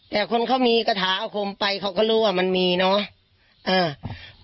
แต่คนเขามีกระถาอาคมไปเขาก็รู้ว่ามันมีเนอะ